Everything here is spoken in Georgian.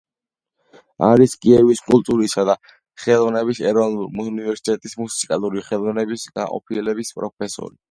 არის კიევის კულტურისა და ხელოვნების ეროვნული უნივერსიტეტის მუსიკალური ხელოვნების განყოფილების პროფესორი.